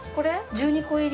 １２個入り？